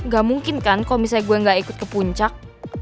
gak mungkin kan kalau misalnya gue gak ikut ke puncak